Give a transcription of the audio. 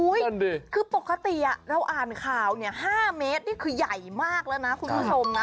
นั่นดิคือปกติเราอ่านข่าวเนี่ย๕เมตรนี่คือใหญ่มากแล้วนะคุณผู้ชมนะ